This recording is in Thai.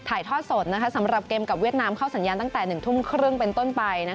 ทอดสดสำหรับเกมกับเวียดนามเข้าสัญญาณตั้งแต่๑ทุ่มครึ่งเป็นต้นไป